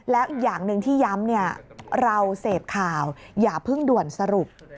แล้วอีกอย่างหนึ่งที่ย้ำเราเสพข่าวอย่าเพิ่งด่วนสรุป